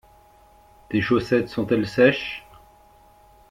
Tes chaussettes sont-elles sèches?